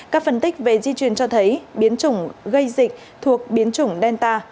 các phân tích về di truyền cho thấy biến chủng gây dịch thuộc biến chủng delta